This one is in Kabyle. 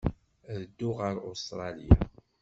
Ad dduɣ ɣer Ustṛalya.